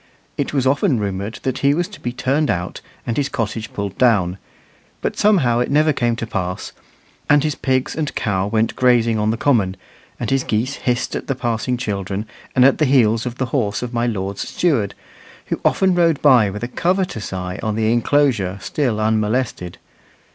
It was often rumoured that he was to be turned out and his cottage pulled down, but somehow it never came to pass; and his pigs and cow went grazing on the common, and his geese hissed at the passing children and at the heels of the horse of my lord's steward, who often rode by with a covetous eye on the inclosure still unmolested.